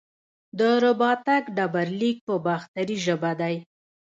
د رباتک ډبرلیک په باختري ژبه دی